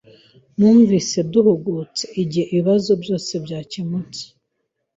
Numvise nduhutse igihe ibibazo byose byakemuwe.